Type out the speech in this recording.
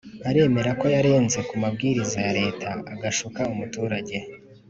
aremera ko yarenze ku mabwiriza ya Leta agashuka umuturage